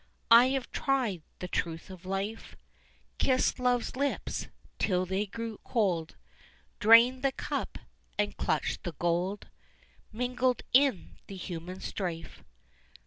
I have tried the truth of life, Kissed love's lips till they grew cold, Drained the cup and clutched the gold, Mingled in the human strife.